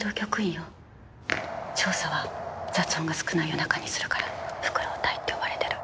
調査は雑音が少ない夜中にするからふくろう隊って呼ばれてる。